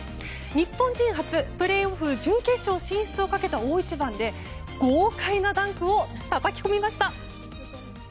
日本人初プレーオフ準決勝進出をかけた大一番で豪快なダンクをたたき込みました。